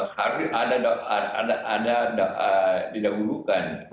harusnya ada didagulukan